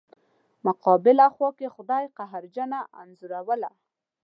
مقابله خوا کې خدای قهرجنه انځوروله.